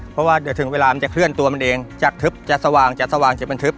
เพราะว่าเดี๋ยวถึงเวลามันจะเคลื่อนตัวมันเองจะทึบจะสว่างจะสว่างจะบันทึก